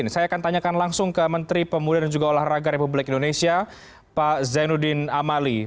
saya akan tanyakan langsung ke menteri pemuda dan juga olahraga republik indonesia pak zainuddin amali